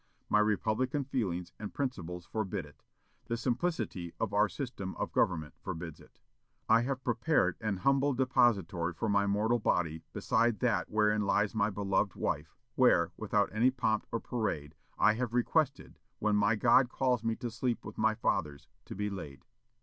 My republican feelings and principles forbid it; the simplicity of our system of government forbids it.... I have prepared an humble depository for my mortal body beside that wherein lies my beloved wife, where, without any pomp or parade, I have requested, when my God calls me to sleep with my fathers, to be laid."